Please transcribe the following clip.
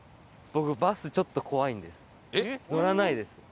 僕バスちょっと怖いんですよ。